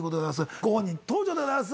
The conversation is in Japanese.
ご本人登場でございます。